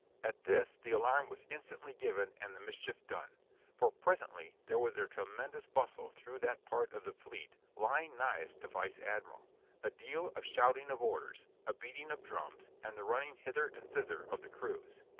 At this the alarm was instantly given and the mischief done, for presently there was a tremendous bustle through that part of the fleet lying nighest the vice admiral a deal of shouting of orders, a beating of drums, and the running hither and thither of the crews.